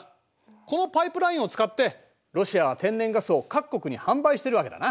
このパイプラインを使ってロシアは天然ガスを各国に販売しているわけだな。